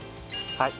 はい。